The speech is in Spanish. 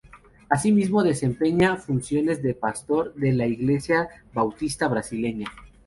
Asimismo, desempeña funciones de pastor de la Iglesia Bautista brasileña.